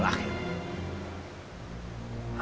ayah bukan ketegak